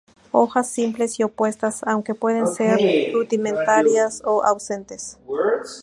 Hojas: simples y opuestas, aunque pueden ser rudimentarias o ausentes.